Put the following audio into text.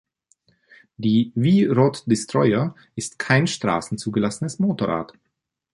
Die V-Rod Destroyer ist kein straßenzugelassenes Motorrad.